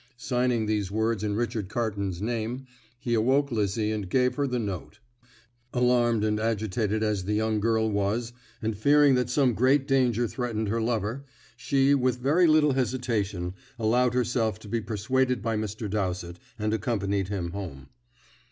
Signing these words in Richard Carton's name, he awoke Lizzie and gave her the note. Alarmed and agitated as the young girl was, and fearing that some great danger threatened her lover, she, with very little hesitation, allowed herself to be persuaded by Mr. Dowsett, and accompanied him home.